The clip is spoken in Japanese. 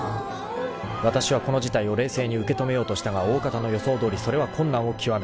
［わたしはこの事態を冷静に受け止めようとしたがおおかたの予想どおりそれは困難を極めた］